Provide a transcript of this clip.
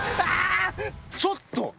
ちょっと！